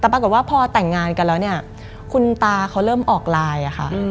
แต่ปรากฏว่าพอแต่งงานกันแล้วเนี่ยคุณตาเขาเริ่มออกไลน์ค่ะ